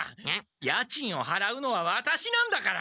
家賃をはらうのはワタシなんだから。